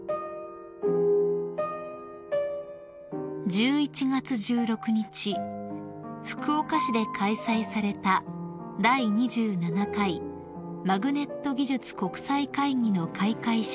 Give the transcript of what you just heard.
［１１月１６日福岡市で開催された第２７回マグネット技術国際会議の開会式］